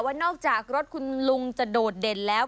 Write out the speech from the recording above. ว่านอกจากรถคุณลุงจะโดดเด่นแล้ว